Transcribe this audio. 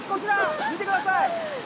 見てください！